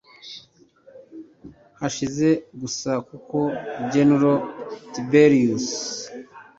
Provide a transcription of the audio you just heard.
bahasiga gusa kuko general tiberius